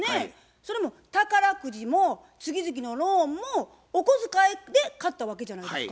それも宝くじも月々のローンもお小遣いで買ったわけじゃないですか。